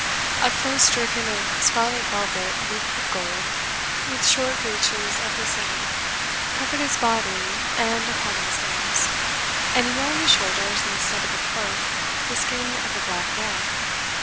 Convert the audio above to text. A close jerkin of scarlet velvet looped with gold, with short breeches of the same, covered his body and a part of his limbs; and he wore on his shoulders, instead of a cloak, the skin of a black bear.